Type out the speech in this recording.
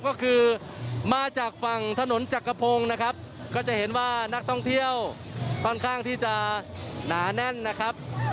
ก็คือมาจากฝั่งถนนจักรพงศ์นะครับก็จะเห็นว่านักท่องเที่ยวค่อนข้างที่จะหนาแน่นนะครับ